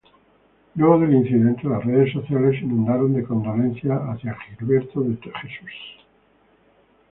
Luego del incidente las redes sociales se inundaron de condolencias hacia Gilberto de Jesús.